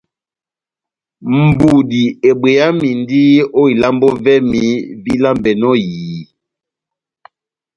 Budi ebweyamindi ó ilambo vɛ́mi vílambɛnɔ ó ehiyi.